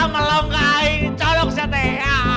melongkai colok sete